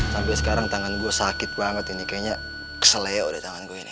sampai sekarang tangan gue sakit banget ini kayaknya kesel ya udah tangan gue ini